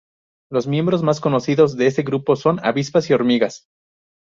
Los miembros más conocidos de este grupo son avispas y hormigas.